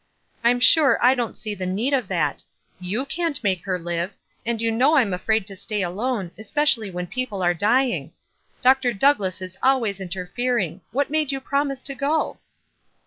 "I'm sure I don't see the need of that. You can't make her live ; and you know I'm afraid to stay alone, especially when people are dying. Dr. Douglass is always interfering. What made you promise to go